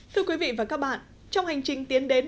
thưa quý vị và các bạn trong hành trình tiến đến